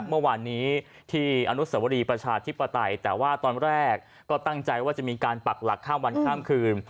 เมื่อวานนี้ที่อนุสวรีประชาธิปไตยแต่ว่าตอนแรกก็ตั้งใจว่าจะมีการปักหลักข้ามวันข้ามคืน